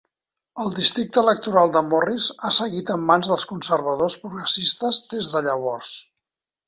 El districte electoral de Morris ha seguit en mans dels conservadors progressistes des de llavors.